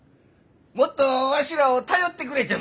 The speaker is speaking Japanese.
もっとわしらを頼ってくれても。